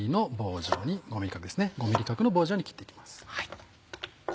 ５ｍｍ角の棒状に切って行きます。